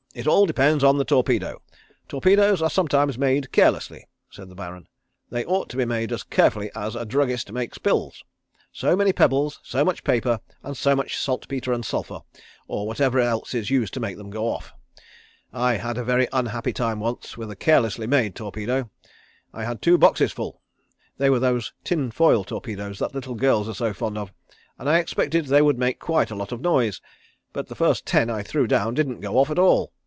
It all depends on the torpedo. Torpedoes are sometimes made carelessly," said the Baron. "They ought to be made as carefully as a druggist makes pills. So many pebbles, so much paper, and so much saltpeter and sulphur, or whatever else is used to make them go off. I had a very unhappy time once with a carelessly made torpedo. I had two boxes full. They were those tin foil torpedoes that little girls are so fond of, and I expected they would make quite a lot of noise, but the first ten I threw down didn't go off at all.